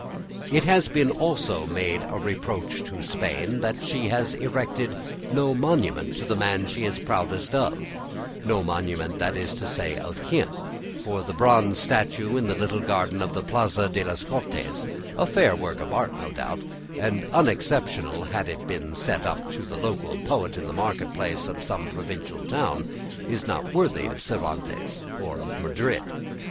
It has been also made a reproach to Spain that she has erected no monument to the man she is proudest of; no monument, that is to say, of him; for the bronze statue in the little garden of the Plaza de las Cortes, a fair work of art no doubt, and unexceptionable had it been set up to the local poet in the market place of some provincial town, is not worthy of Cervantes or of Madrid.